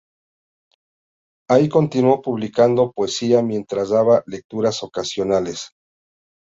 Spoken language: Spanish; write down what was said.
Ahí continuó publicando poesía, mientras daba lecturas ocasionales.